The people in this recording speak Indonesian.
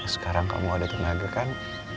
sekarang kamu ada tenaga kan